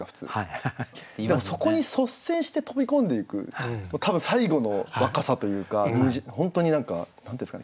でもそこに率先して飛び込んでいく多分最後の若さというか本当に何か何て言うんですかね